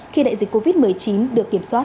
khi đại dịch covid một mươi chín